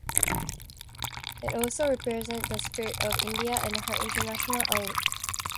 It also represents the spirit of India and her international outlook.